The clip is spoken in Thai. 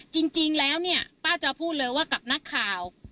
จริงแล้วเนี่ยป้าจะพูดเลยว่ากับนักข่าว